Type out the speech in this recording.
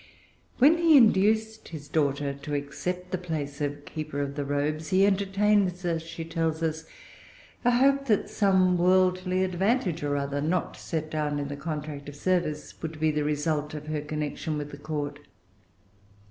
When he induced his daughter to accept the place of keeper of the robes, he entertained, as she tells us, a hope that some worldly advantage or other, not set down in the contract of service, would be the result of her connection with the Court.